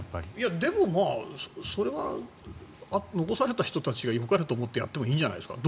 でもそれは残された人たちがよかれと思ってやってもいいんじゃないですか？